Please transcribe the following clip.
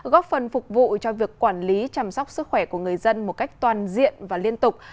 góp phần phục vụ cho việc quản lý chăm sóc sức khỏe của người dân một cách toàn diện và liên tục